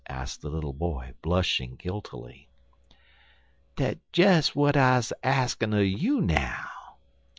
asked the little boy, blushing guiltily. "Dat des w'at I'm a axin' un you now.